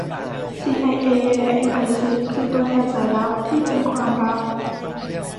ซีไอเอและเอ็มไอซิกคือตัวแทนสายลับที่เป็นความลับ